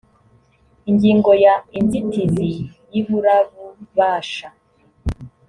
ingingo ya inzitizi y iburabubasha